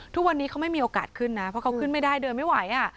ทุกวันนี้เขาไม่มีโอกาสขึ้นนะเพราะเขาขึ้นไม่ได้เดินไม่ไหว